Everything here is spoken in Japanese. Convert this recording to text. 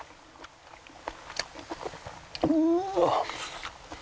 うん。